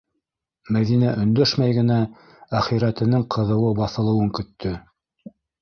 Мәҙинә өндәшмәй генә әхирәтенең ҡыҙыуы баҫылыуын көттө.